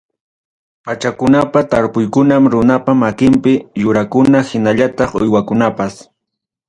pachakunapa tarpuykunam runapa makinpim yurakuna hinallataq uywakunapas.